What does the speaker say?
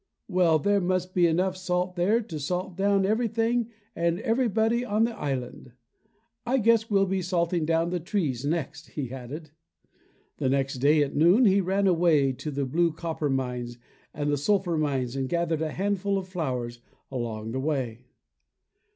Well, there must be enough salt there to salt down everything and everybody on the island. I guess we'll be salting down the trees next", he added. The next day at noon he ran away to the blue copper mines and the sulphur mines and gathered a handful of flowers along the way.